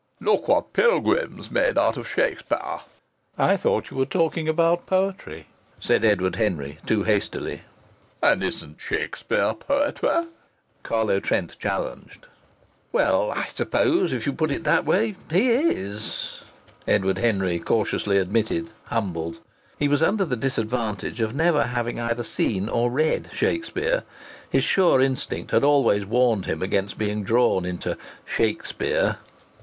"Look at what Pilgrim's made out of Shakspere." "I thought you were talking about poetry," said Edward Henry too hastily. "And isn't Shakspere poetry?" Carlo Trent challenged. "Well, I suppose if you put it in that way, he is!" Edward Henry cautiously admitted, humbled. He was under the disadvantage of never having either seen or read "Shakspere." His sure instinct had always warned him against being drawn into "Shakspere."